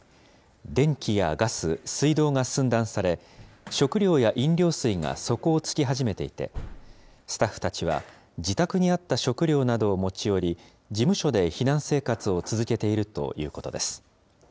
電気やガス、水道が寸断され、食料や飲料水が底をつき始めていて、スタッフたちは、自宅にあった食料などを持ち寄り、事務所で避難生活を続けているということです。